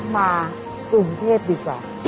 มาสุมเทศดีก่อน